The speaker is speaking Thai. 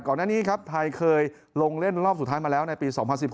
ก่อนหน้านี้ครับไทยเคยลงเล่นรอบสุดท้ายมาแล้วในปี๒๐๑๖